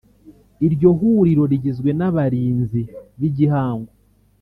Iryo huriro rigizwe n’abarinzi b’igihango